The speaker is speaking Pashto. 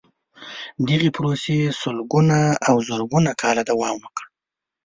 دغې پروسې سلګونه او زرګونه کاله دوام وکړ.